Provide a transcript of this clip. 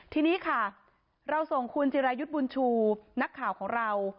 ทีนี้ค่ะเราส่งคุณจิรายุทธ์บุญชูนักข่าวของเรา